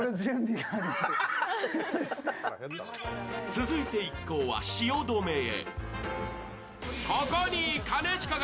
続いて一行は汐留へ。